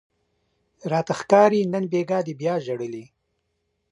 راته ښکاري نن بیګاه دې بیا ژړلي